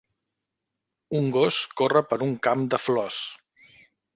Un gos corre per un camp de flors.